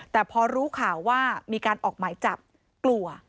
แต่พอรู้ข่าวว่ามีการออกหมายจับกลัว